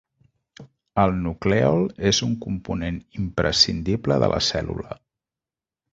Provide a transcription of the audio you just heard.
El nuclèol és un component imprescindible de la cèl·lula.